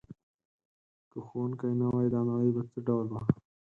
که ښوونکی نه وای دا نړۍ به څه ډول وه؟